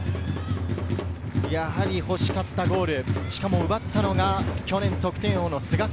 ほしかったゴール、しかも奪ったのが去年、得点王の菅澤。